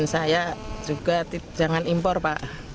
saya juga tidak ingin impor pak